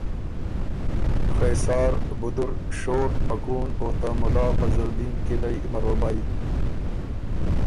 خېسار، بُدُر، شور، مکُون او ته مُلا فضل دین کِلئ مروبئ